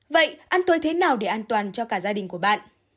vậy ăn tôi thế nào để an toàn cho cả gia đình của bạn